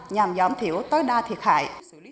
nhằm giảm thiểu tối đa thiệt hại